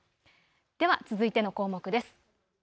では続いての項目です。